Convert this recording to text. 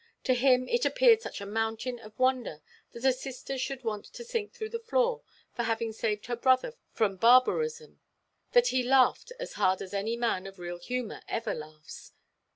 —to him it appeared such a mountain of wonder that a sister should want to sink through the floor, for having saved her brother from barberism, that he laughed as hard as any man of real humour ever laughs.